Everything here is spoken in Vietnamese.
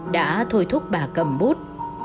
đã thôi thúc bà cầm bút